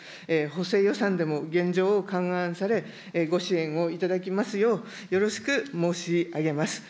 補正予算でも現状を勘案され、ご支援を頂きますよう、よろしく申し上げます。